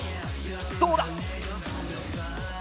どうだ？